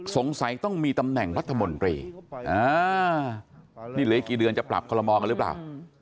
สงสัยต้องมีตำแหน่งรัฐมนตรีนี่เหลืออีกกี่เดือนจะปรับคอลโมกันหรือเปล่า